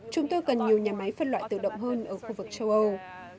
chúng tôi cần nhiều nhà máy phân loại tự động hơn ở khu vực châu âu